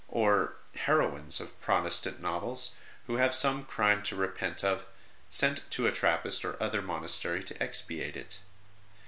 ROSE OF LIMA heroines of Protestant novels, who have some crime to repent of, sent to a Trappist or other monastery to expiate it.